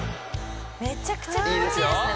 めちゃくちゃ気持ちいいですね